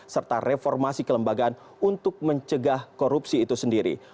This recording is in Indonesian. serta reformasi kelembagaan untuk mencegah korupsi itu sendiri